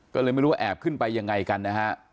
ก็เลยไม่รู้ว่าแอบขึ้นไปยังไงกันนะฮะ